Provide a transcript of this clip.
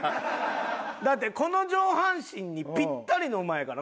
だってこの上半身にピッタリの馬やから。